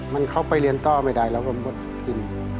มันเข้าไปเรียนต้อไม่ได้แล้วก็มดดิน